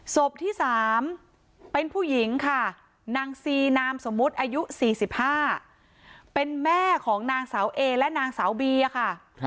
ศพที่๓เป็นผู้หญิงค่ะนางซีนามสมมุติอายุ๔๕เป็นแม่ของนางสาวเอและนางสาวบีค่ะ